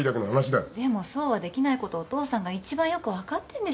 でもそうはできないことお父さんが一番よく分かってんでしょうが。